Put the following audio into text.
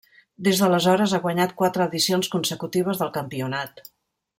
Des d'aleshores ha guanyat quatre edicions consecutives del campionat.